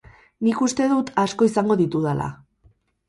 Nik uste dut asko izango ditudala.